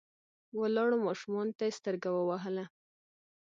ولاړو ماشومانو ته يې سترګه ووهله.